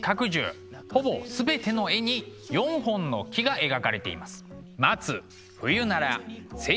ほぼ全ての絵に４本の木が描かれています。